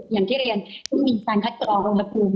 อย่างที่เรียนแต่ก็จะไม่มีทันคัตกรรมงานคลุม